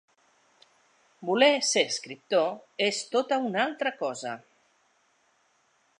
Voler “ser escriptor” és tota una altra cosa.